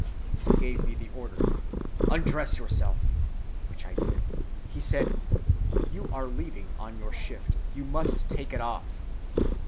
He gave me the order, 'Undress yourself,' which I did. He said, 'You are leaving on your shift; you must take it off.